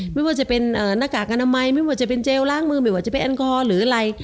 ไม่ว่าจะเป็นหน้ากากอนามัยไม่ว่าจะเป็นเจลล้างมือไม่ว่าจะเป็นแอลกอฮอลหรืออะไร